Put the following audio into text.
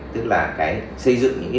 tức là xây dựng